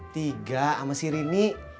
tiga sama si rini